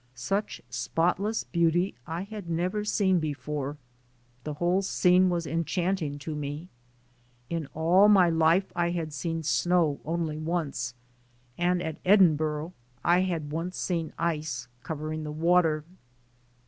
Such spotless beauty I had never seen before; the whole scene was enchanting to me. In all my life I had seen snow only once, and at Edinburgh I had once seen ice covering the water.